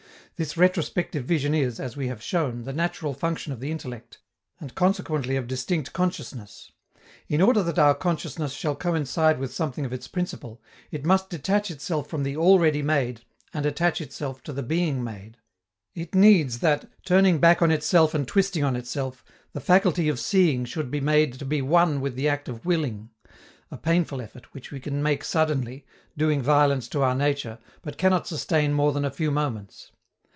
This retrospective vision is, as we have shown, the natural function of the intellect, and consequently of distinct consciousness. In order that our consciousness shall coincide with something of its principle, it must detach itself from the already made and attach itself to the being made. It needs that, turning back on itself and twisting on itself, the faculty of seeing should be made to be one with the act of willing a painful effort which we can make suddenly, doing violence to our nature, but cannot sustain more than a few moments.